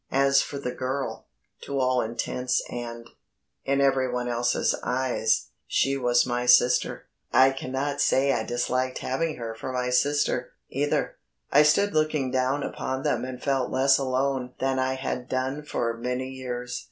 As for the girl, to all intents and, in everyone else's eyes, she was my sister. I cannot say I disliked having her for my sister, either. I stood looking down upon them and felt less alone than I had done for many years.